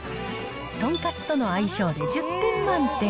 とんかつとの相性で１０点満点。